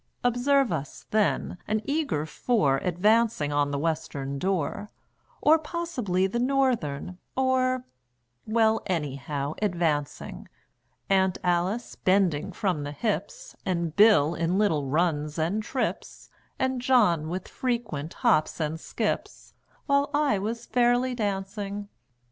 Observe us, then, an eager four Advancing on the Western Door, Or possibly the Northern, or Well, anyhow, advancing; Aunt Alice bending from the hips, And Bill in little runs and trips, And John with frequent hops and skips, While I was fairly dancing.